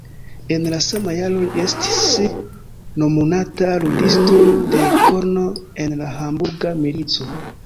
En la sama jaro li estis nomumita ludisto de korno en la Hamburga milico.